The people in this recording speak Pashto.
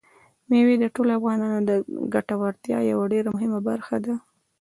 مېوې د ټولو افغانانو د ګټورتیا یوه ډېره مهمه برخه ده.